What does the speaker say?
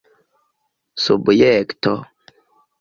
subjekto